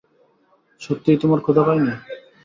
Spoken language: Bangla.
সত্যিই তোমার ক্ষুধা পায়নি?